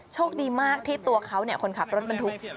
โชคดีมากที่ตัวเขาคนขับรถบรรทุก